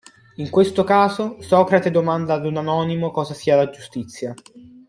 In questo caso, Socrate domanda ad un anonimo cosa sia la giustizia.